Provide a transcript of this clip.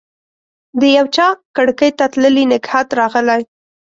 د یوچا کړکۍ ته تللي نګهت راغلی